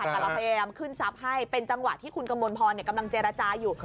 แต่เราพยายามขึ้นทรัพย์ให้เป็นจังหวะที่คุณกมลพรกำลังเจรจาอยู่